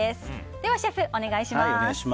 ではシェフ、お願いします。